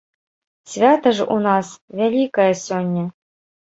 Свята ж у нас вялікае сёння.